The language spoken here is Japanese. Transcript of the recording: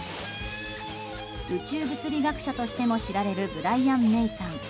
宇宙物理学者としても知られるブライアン・メイさん。